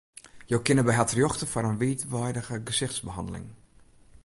Jo kinne by har terjochte foar in wiidweidige gesichtsbehanneling.